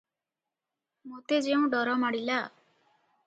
ମୋତେ ଯେଉଁ ଡର ମାଡ଼ିଲା?